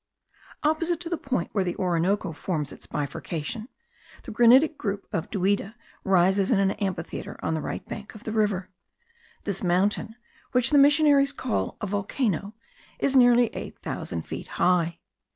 Opposite to the point where the Orinoco forms its bifurcation, the granitic group of Duida rises in an amphitheatre on the right bank of the river. This mountain, which the missionaries call a volcano, is nearly eight thousand feet high.